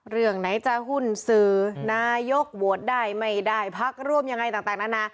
เรื่องไหนจะหุ้นสื่อนายกโหวตได้ไม่ได้พักร่วมยังไงต่างนานา